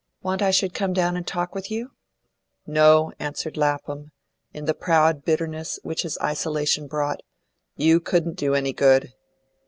"Want I should come down and talk with you?" "No," answered Lapham, in the proud bitterness which his isolation brought, "you couldn't do any good."